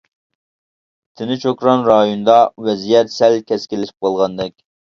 تىنچ ئوكيان رايونىدا ۋەزىيەت سەل كەسكىنلىشىپ قالغاندەك.